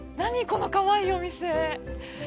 このかわいいお店。